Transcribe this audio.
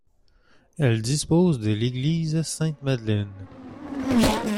Elle dispose de l'église Sainte-Madeleine.